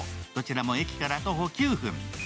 どちらも駅から徒歩９分。